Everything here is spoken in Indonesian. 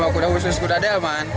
kuda khusus kuda delman